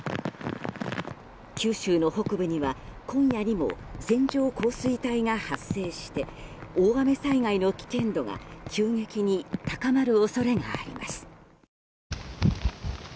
九州の北部には今夜にも線状降水帯が発生して大雨災害の危険度が急激に高まる恐れがあります。